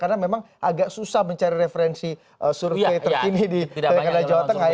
karena memang agak susah mencari referensi survei terkini di negara jawa tengah